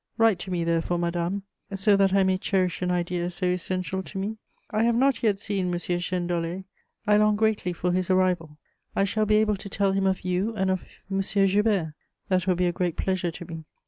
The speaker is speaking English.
Write to me therefore, madame, so that I may cherish an idea so essential to me. "I have not yet seen M. Chênedollé; I long greatly for his arrival. I shall be able to tell him of you and of M. Joubert: that will be a great pleasure to me.